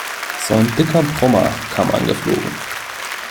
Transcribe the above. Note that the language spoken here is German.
So ein dicker Brummer kam angeflogen.